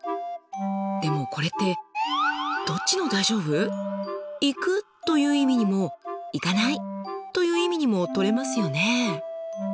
でもこれってどっちの「大丈夫」？「行く」という意味にも「行かない」という意味にも取れますよね。